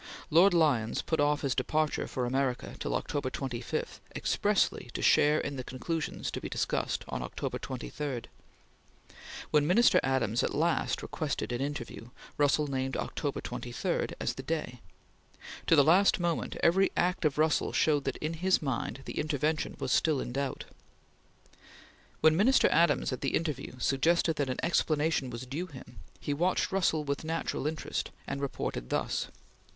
Lord Lyons put off his departure for America till October 25 expressly to share in the conclusions to be discussed on October 23. When Minister Adams at last requested an interview, Russell named October 23 as the day. To the last moment every act of Russell showed that, in his mind, the intervention was still in doubt. When Minister Adams, at the interview, suggested that an explanation was due him, he watched Russell with natural interest, and reported thus